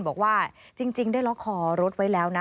บอกว่าจริงได้ล็อกคอรถไว้แล้วนะ